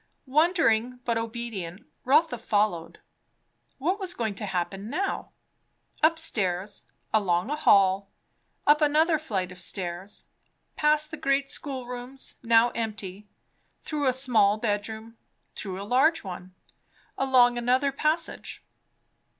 Wondering but obedient, Rotha followed. What was going to happen now? Up stairs, along a ball, up another flight of stairs, past the great schoolrooms, now empty, through a small bedroom, through a large one, along another passage.